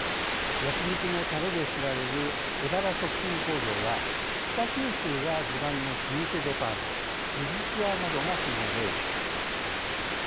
焼き肉のたれで知られるエバラ食品工業や北九州が地盤の老舗デパート井筒屋などがその例です。